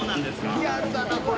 リアルだなこれ。